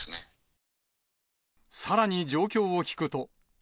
さらに状況を聞くと。